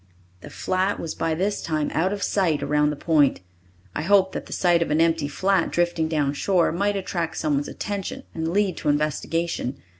The flat was by this time out of sight around the point. I hoped that the sight of an empty flat drifting down shore might attract someone's attention and lead to investigation.